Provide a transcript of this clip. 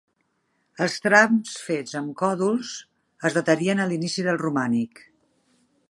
Els trams fets amb còdols es datarien en l'inici del romànic.